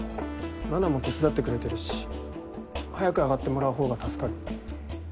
奈々も手伝ってくれてるし早く上がってもらう方が助かる。